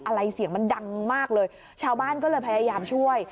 อะไรเสียงมันดังมากเลยชาวบ้านก็เลยพยายามช่วย